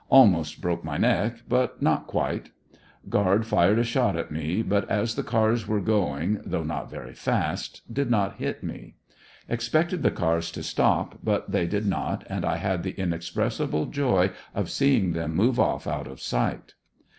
Al most broke my neck, but not quite Guard fired a shot at me, but as the cars were going, though not very fast, did not hit me. Expected the cars to stop but tliey did not, and I had the inexpres sible joy of seeing them move off out of sight.